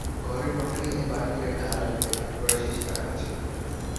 ঘরের কর্তাকে তাই বারেবারে ঘা লাগবে, তার পরে শেষ আঘাত আছে মৃত্যু।